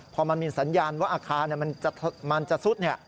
พอมันมีสัญญาณว่าอาคารมันจะซุด